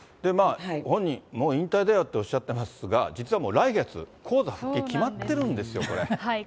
本人、もう引退だよっておっしゃってますが、実はもう来月、高座復帰決まってるんですよ、これ。